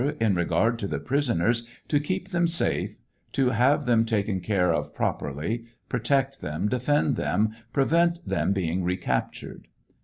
In regard to the prisoners, to keep tliem safe, to have them taken care of properly, protect them, defend them, prevent them being recaptured.